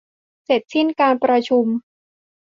เสร็จสิ้นการประชุม